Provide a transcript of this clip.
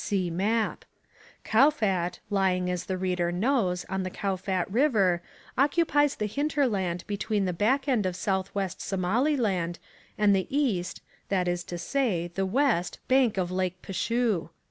(See map). Kowfat, lying as the reader knows, on the Kowfat River, occupies the hinterland between the back end of south west Somaliland and the east, that is to say, the west, bank of Lake P'schu.